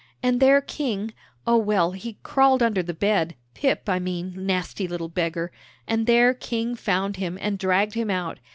And there King oh, well, he crawled under the bed, Pip, I mean, nasty little beggar, and there King found him, and dragged him out.